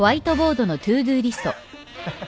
ハッハハ。